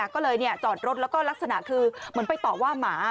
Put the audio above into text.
ก็เลยจอดรถแล้วก็ลักษณะคือเหมือนไปต่อว่าหมา